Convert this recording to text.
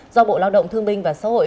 do bộ lao động thương bình và xã hội